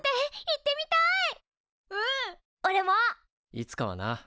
いつかはな。